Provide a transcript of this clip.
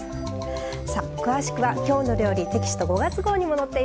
さあ詳しくは「きょうの料理」テキスト５月号にも載っています。